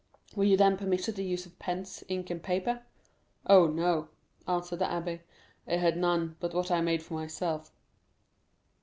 "Were you then permitted the use of pens, ink, and paper?" "Oh, no," answered the abbé; "I had none but what I made for myself."